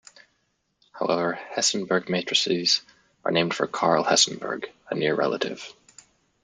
However, Hessenberg matrices are named for Karl Hessenberg, a near relative.